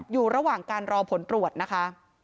อยู่ระหว่างการรอผลตรวจนะคะ